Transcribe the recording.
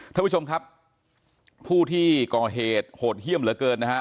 ท่านผู้ชมครับผู้ที่ก่อเหตุโหดเยี่ยมเหลือเกินนะฮะ